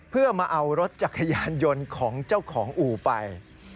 เพื่อมาเอารถจักรยานยนต์ของเจ้าของอู่ไป